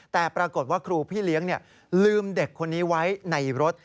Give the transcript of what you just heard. แต่ปรากฏว่าครูพี่เลี้ยงลืมเด็กคนนี้ไว้ในรถ